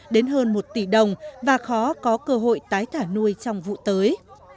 đến hơn một tỷ đồng và khó có cơ hội tái thả nuôi trong vụ tới